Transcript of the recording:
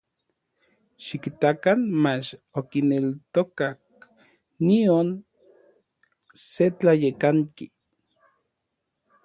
Xikitakan mach okineltokak nion se tlayekanki.